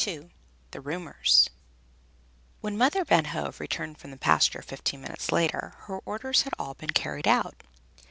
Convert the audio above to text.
II THE RUMORS When Mother Van Hove returned from the pasture, fifteen minutes later, her orders had all been carried out.